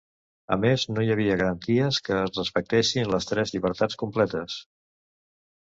A més, no hi havia garanties que es respectessin les tres llibertats completes.